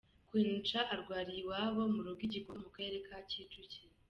Queen Cha arwariye iwabo mu rugo i Gikondo mu Karere ka Kicukiro.